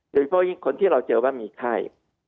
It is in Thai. หรือเพราะคนที่เราเจอว่ามีไข้